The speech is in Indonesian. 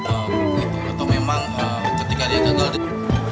atau memang ketika dia gagal